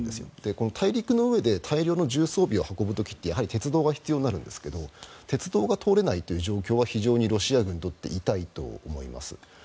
この大陸の上で大量の重装備を運ぶ時ってやはり鉄道が必要になるんですが鉄道が通れないという状況は非常にロシア軍にとって痛いと思います。